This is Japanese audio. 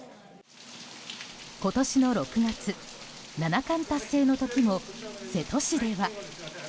今年の６月、七冠達成の時も瀬戸市では。